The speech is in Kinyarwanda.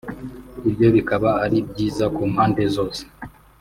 ibyo bikaba ari byiza ku mpande zose »